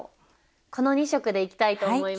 この２色でいきたいと思います。